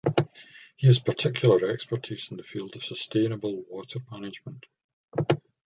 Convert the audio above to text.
He has particular expertise in the field of sustainable water management.